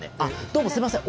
どうもすいません